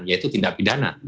yaitu tindak pidana